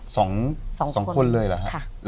สวัสดีครับ